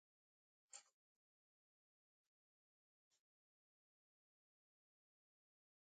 Ако чекав да биде подобро, тогаш никогаш немаше да дојдам.